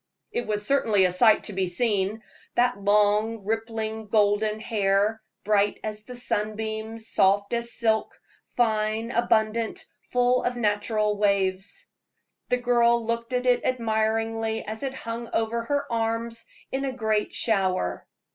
It was certainly a sight to be seen, that long, rippling golden hair, bright as the sunbeams, soft as silk, fine, abundant, full of natural waves. The girl looked at it admiringly as it hung over her arms in a great shower.